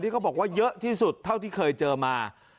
เขาบอกว่าเยอะที่สุดเท่าที่เคยเจอมา